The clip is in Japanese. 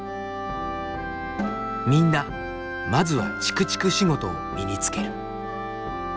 みんなまずはちくちく仕事を身につける。